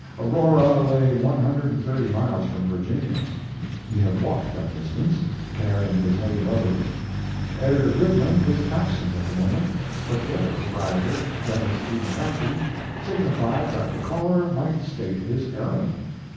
Aurora lay one hundred and thirty miles from Virginia. He had walked that distance, carrying his heavy load. Editor Goodman was absent at the moment, but the other proprietor, Denis E. McCarthy, signified that the caller might state his errand.